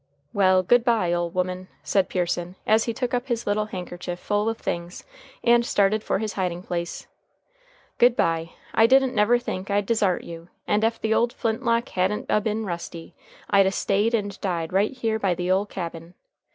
"Well, good by, ole woman," said Pearson, as he took up his little handkerchief full of things and started for his hiding place; "good by. I didn't never think I'd desart you, and ef the old flintlock hadn't a been rusty, I'd a staid and died right here by the ole cabin.